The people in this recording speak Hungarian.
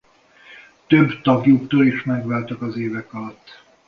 Több tagjuktól is megváltak az évek alatt.